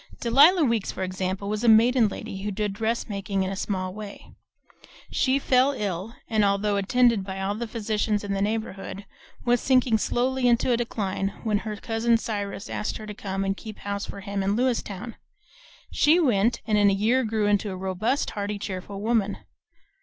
Delia Weeks, for example, was a maiden lady who did dressmaking in a small way; she fell ill, and although attended by all the physicians in the neighborhood, was sinking slowly into a decline when her cousin Cyrus asked her to come and keep house for him in Lewiston. She went, and in a year grew into a robust, hearty, cheerful woman.